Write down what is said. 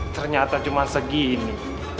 ternyata cuma segini